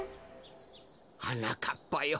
はなかっぱよ。